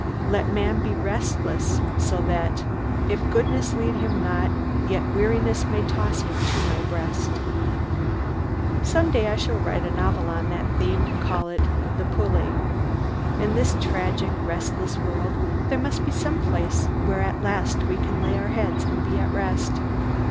Let man be restless, so that "If goodness lead him not, yet weariness May toss him to My breast." Some day I shall write a novel on that theme, and call it "The Pulley." In this tragic, restless world there must be some place where at last we can lay our heads and be at rest.